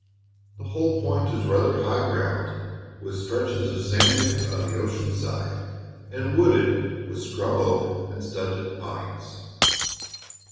The whole point is rather high ground, with stretches of sand dunes on the ocean side, and wooded with scrub oak and stunted pines.